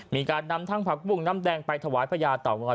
มีการนำทั้งผักปุ่งน้ำแดงไปถวายพระยาต่อกราช